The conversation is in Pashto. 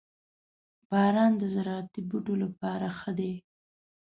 • باران د زراعتي بوټو لپاره ښه دی.